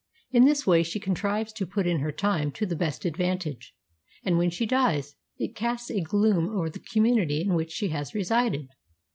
In this way she contrives to put in her time to the best advantage, and when she dies, it casts a gloom over the community in which she has resided.